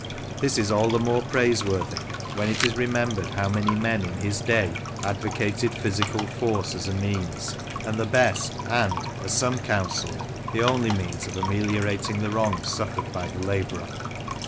This is all the more praiseworthy when it is remembered how many men in his day advocated physical force as a means, and John Critchley Prince. 5 the best, and, as some counselled, the only means of ameli* orating the wrongs suffered by the labourer.